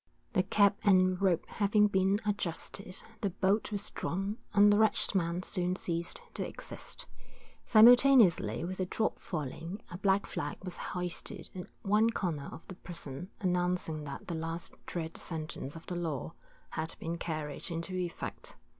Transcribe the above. The cap and rope having been adjusted, the bolt was drawn, and the wretched man soon ceased to exist. Simultaneously with the drop falling, a black flag was hoisted at one corner of the prison, announcing that the last dread sentence of the law had been carried into effect.